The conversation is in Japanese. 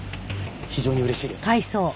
非常に嬉しいです。